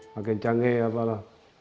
makin canggih apa lah